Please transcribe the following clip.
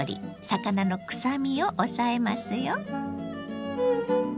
魚のくさみを抑えますよ。